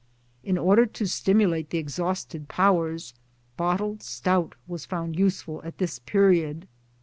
In order to stimulate the exhausted powers, bottled stout was found useful at this period.